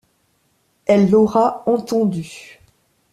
Elle l’aura entendue.